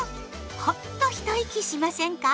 ホッと一息しませんか？